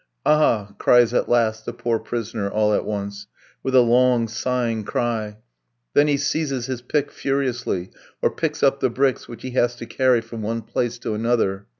"Ah!" cries at last the poor prisoner all at once, with a long, sighing cry; then he seizes his pick furiously, or picks up the bricks, which he has to carry from one place to another.